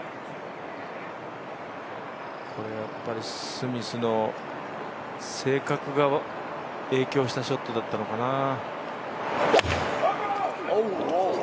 これはやっぱりスミスの性格が影響したショットだったのかな。